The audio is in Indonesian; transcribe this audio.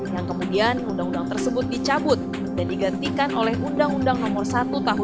yang kemudian undang undang tersebut dicabut dan digantikan oleh undang undang nomor satu tahun dua ribu dua